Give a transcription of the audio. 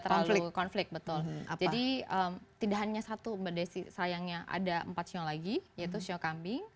terlalu konflik betul jadi tidak hanya satu mbak desi sayangnya ada empat sio lagi yaitu sio kambing